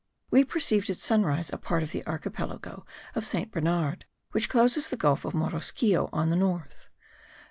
We perceived at sunrise a part of the archipelago* of Saint Bernard, which closes the gulf of Morrosquillo on the north.